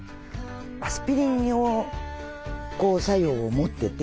アスピリン様作用を持ってて。